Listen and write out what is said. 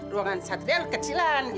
ruangan satria kecilan gitu